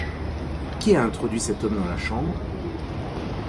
Qui a introduit cet homme dans la chambre ?